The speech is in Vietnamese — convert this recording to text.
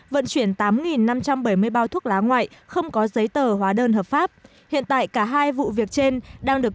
vận chuyển tám năm trăm bảy mươi bao thuốc lá ngoại không có giấy tờ hóa đơn hợp pháp hiện tại cả hai vụ việc trên đang được